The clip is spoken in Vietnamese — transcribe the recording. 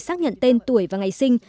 xác nhận tên tuổi và ngày sinh